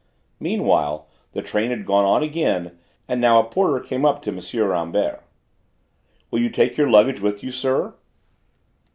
Meanwhile the train had gone on again, and now a porter came up to M. Rambert. "Will you take your luggage with you, sir?"